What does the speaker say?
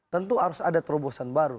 tentu harus ada terobosan baru